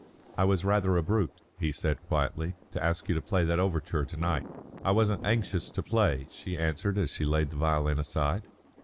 "I was rather a brute," he said quietly, "to ask you to play that overture to night." "I wasn't anxious to play," she answered as she laid the violin aside.